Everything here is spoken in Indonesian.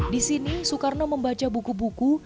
di sini soekarno membaca buku buku